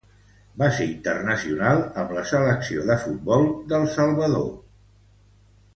Va ser internacional amb la selecció de futbol del Salvador.